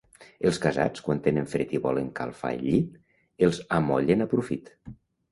Els casats, quan tenen fred i volen calfar el llit, els amollen a profit.